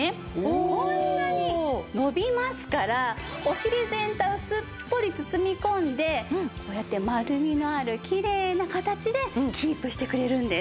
こんなに伸びますからお尻全体をすっぽり包み込んでこうやって丸みのあるきれいな形でキープしてくれるんです。